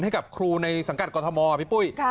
ให้กับครูในสังกัดกรทมพี่ปุ้ย